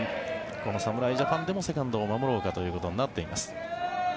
この侍ジャパンでもセカンドを守ろうかということになっています。